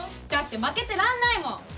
だって負けてらんないもん。